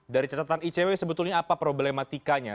dari catatan icw sebetulnya apa problematikanya